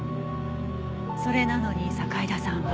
それなのに堺田さんは。